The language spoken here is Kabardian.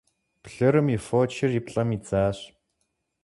Плъырым и фочыр и плӀэм идзащ.